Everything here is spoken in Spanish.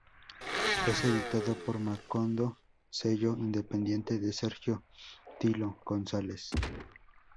Es editado por Macondo, sello independiente de Sergio "Tilo" González.